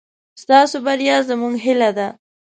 ستاسو بريا زموږ هيله ده.